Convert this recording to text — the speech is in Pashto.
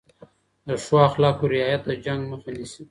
د ښو اخلاقو رعایت د جنګ مخه نیسي.